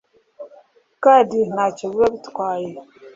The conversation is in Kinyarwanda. kandi ntacyo biba bitwaye